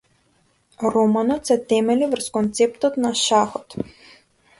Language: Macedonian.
Романот се темели врз концептот на шахот.